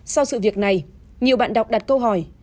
sau sự việc này nhiều bạn đọc đặt câu hỏi